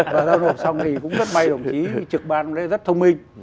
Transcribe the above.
và giao nộp xong thì cũng rất may đồng chí trực ban rất thông minh